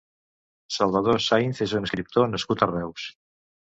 Salvador Sáinz és un escriptor nascut a Reus.